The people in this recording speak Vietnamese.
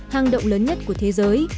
hàng động lớn nhất của thế giới